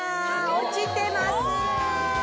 落ちてます